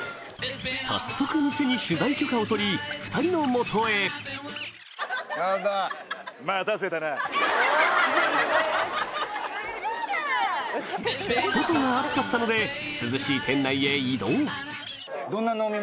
早速店に取材許可を取り２人の元へ外が暑かったので涼しい店内へ移動